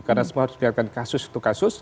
karena semua harus dikatakan kasus untuk kasus